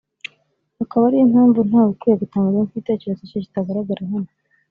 akaba ariyo mpamvu ntawe ukwiye gutangazwa n’uko igitekerezo cye kitagaragara hano